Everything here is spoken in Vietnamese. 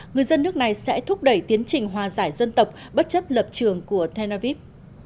người dân nước này sẽ thúc đẩy tiến trình hòa giải dân tộc bất chấp lập trường của tel aviv